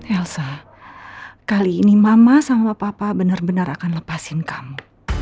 elsa kali ini mama sama papa benar benar akan lepasin kamu